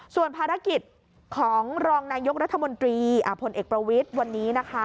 ส่วนภารกิจของรองนายกรัฐมนตรีพลเอกประวิทย์วันนี้นะคะ